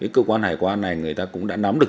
cơ quan hải quan này người ta cũng đã nắm được